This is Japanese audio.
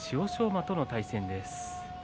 馬との対戦です。